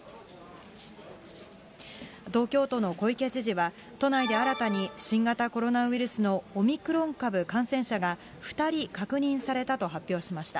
東京都の小池知事は、都内で新たに新型コロナウイルスのオミクロン株感染者が２人確認されたと発表しました。